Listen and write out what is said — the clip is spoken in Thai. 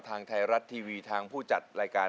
ทางไทยรัฐทีวีทางผู้จัดรายการ